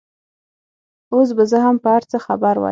اوس به زه هم په هر څه خبره وای.